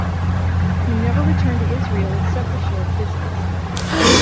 He never returned to Israel except for short visits.